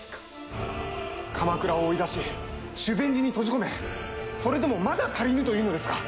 鎌倉を追い出し修善寺に閉じ込めそれでもまだ足りぬというのですか。